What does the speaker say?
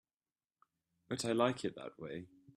But I like it that way.